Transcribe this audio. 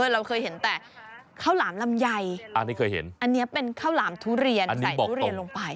เราเคยเห็นแต่ข้าวหลามลำไยอันนี้เคยเห็นอันนี้เป็นข้าวหลามทุเรียนใส่ทุเรียนลงไป